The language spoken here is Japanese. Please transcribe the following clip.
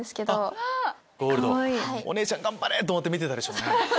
ゴールドお姉ちゃん「頑張れ！」と思って見てたでしょうね。